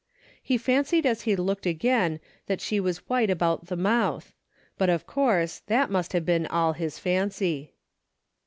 He fancied as he looked again that she was white about the mouth, but, of course, that must have been all his fancy.